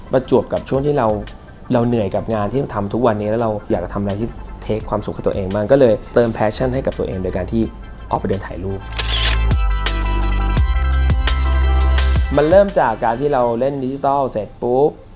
มันเริ่มจากการที่เราเล่นดิจิทัลเสร็จปุ๊บ